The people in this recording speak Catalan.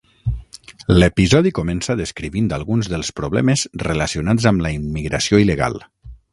L'episodi comença descrivint alguns dels problemes relacionats amb la immigració il·legal.